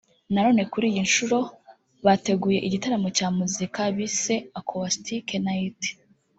nanone kuri iyi nshuro bateguye igitaramo cya muzika bise Accoustic Night